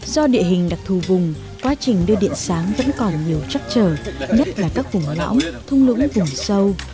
do địa hình đặc thù vùng quá trình đưa điện sáng vẫn còn nhiều chắc trở nhất là các vùng lõng thung lũng vùng sâu